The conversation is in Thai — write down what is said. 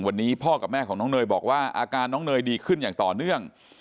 วันนี้พ่อกับแม่ของน้องเนยบอกว่าอาการน้องเนยดีขึ้นอย่างต่อเนื่อง